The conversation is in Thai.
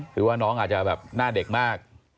หรือว่าน้องอาจจะแบบหน้าเด็กมาก